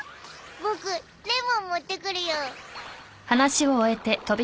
僕レモン持ってくるよ。